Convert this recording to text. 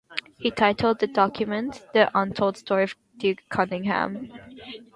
He titled the document "The Untold Story of Duke Cunningham".